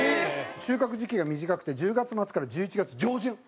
収穫時期が短くて１０月末から１１月上旬。